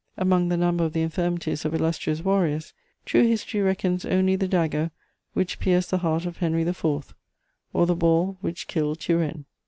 Among the number of the infirmities of illustrious warriors, true history reckons only the dagger which pierced the heart of Henry IV., or the ball which killed Turenne.